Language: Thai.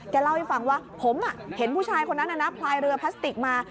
เล่าให้ฟังว่าผมเห็นผู้ชายคนนั้นนะพลายเรือพลาสติกมา